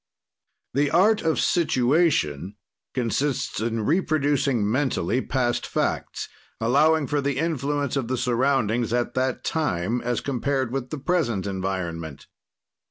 "The art of situation consists in reproducing, mentally, past facts, allowing for the influence of the surroundings at that time, as compared with the present environment.